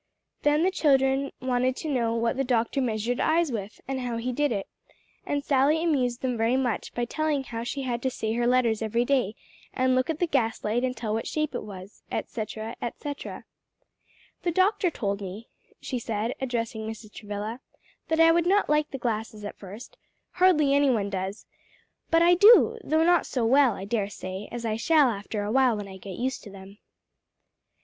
Then the children wanted to know what the doctor measured eyes with, and how he did it, and Sally amused them very much by telling how she had to say her letters every day and look at the gaslight and tell what shape it was, etc., etc. "The doctor told me," she said, addressing Mrs. Travilla, "that I would not like the glasses at first, hardly any one does; but I do, though not so well, I dare say, as I shall after a while when I get used to them."